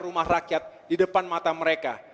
rumah rakyat di depan mata mereka